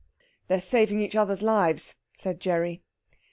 "They're saving each other's lives," said Gerry.